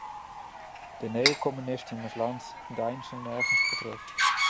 De neocommunisten in ons land deinzen nergens voor terug.